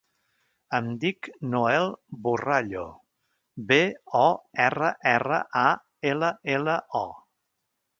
Em dic Noel Borrallo: be, o, erra, erra, a, ela, ela, o.